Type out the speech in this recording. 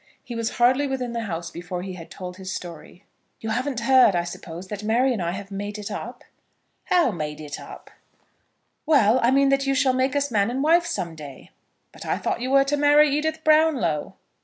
He was hardly within the house before he had told his story. "You haven't heard, I suppose," he said, "that Mary and I have made it up?" "How made it up?" "Well, I mean that you shall make us man and wife some day." "But I thought you were to marry Edith Brownlow."